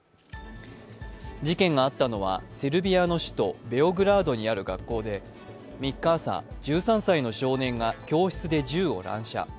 事件があったのはセルビアの首都ベオグラードにある学校で３日朝、１３歳の少年が教室で銃を乱射。